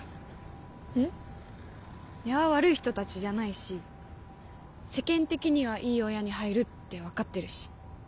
根は悪い人たちじゃないし世間的にはいい親に入るって分かってるし。